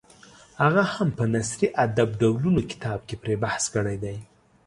هغه هم په نثري ادب ډولونه کتاب کې پرې بحث کړی دی.